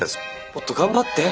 もっと頑張って。